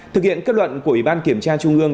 thực hiện kết luận của ủy ban kiểm tra trung ương